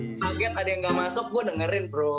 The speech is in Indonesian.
kaget ada yang gak masuk gue dengerin bro